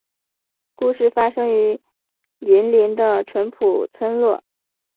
故事发生于云林的纯朴村落